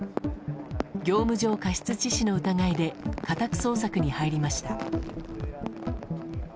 業務上過失致死の疑いで家宅捜索に入りました。